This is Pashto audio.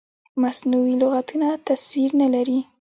مصنوعي لغتونه تصویر نه لري.